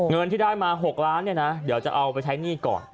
เงินที่ได้มา๖ล้านเนี่ยนะเดี๋ยวจะเอาไปใช้หนี้ก่อน